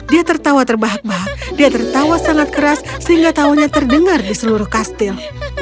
dia tertawa terbahak bahak dia tertawa sangat keras sehingga tawanya terdengar di seluruh kastil